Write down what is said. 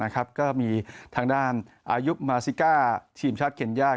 ก็มีทางด้านอายุมาซิก้าทีมชาติเคนย่า